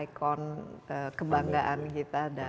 ikon kebanggaan kita dan